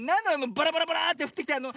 バラバラバラーッてふってきたの。